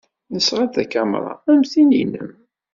Nesɣa-d takamra am tin-nnem.